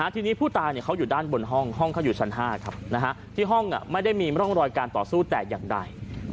ทีนี้ผู้ตายเขาอยู่ด้านบนห้องห้องเขาอยู่ชั้น๕ที่ห้องไม่ได้มีร่องรอยการต่อสู้แต่อย่างใด